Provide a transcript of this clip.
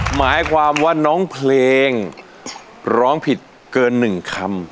หมายความว่าน้องเพลงร้องผิดเกิน๑คำ